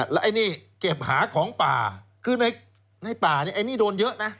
แล้วไอ้นี่เก็บหาของป่าคือในป่านี่ไอ้นี่โดนเยอะนะ